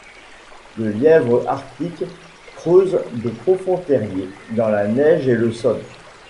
Le lièvre arctique creuse de profonds terriers dans la neige et le sol.